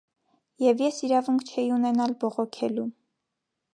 Եվ ես իրավունք չէի ունենալ բողոքելու: